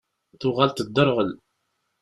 Tuɣal tedderɣel.